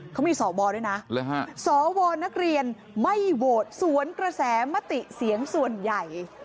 เขามีสวด้วยนะสวนักเรียนไม่โหวตสวนกระแสมติเสียงส่วนใหญ่